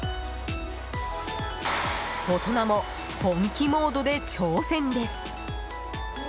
大人も本気モードで挑戦です。